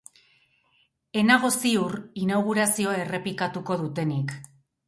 Ez nago ziur inaugurazioa errepikatuko dutenik.